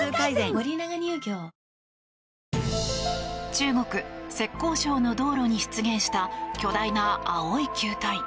中国・浙江省の道路に出現した巨大な青い球体。